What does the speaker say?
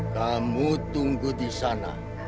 kamu tunggu disana